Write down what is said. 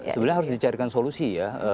sebenarnya harus dicarikan solusi ya